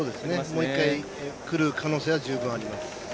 もう一回くる可能性は十分あります。